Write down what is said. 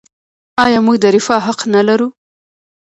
آیا موږ د رفاه حق نلرو؟